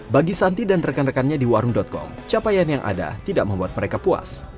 bagi santi dan rekan rekannya di warung com capaian yang ada tidak membuat mereka puas